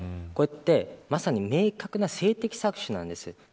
これってまさに明確な性的搾取なんです。